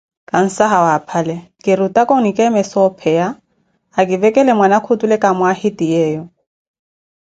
Kansahau aphale, kirutaka onikeemesa opheya akivekele mwanakhu otule ki mwaahitiyeeyo.